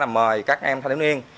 mời các em thanh thiếu niên